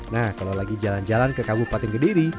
nah kalau lagi jalan jalan ke kabupaten kediri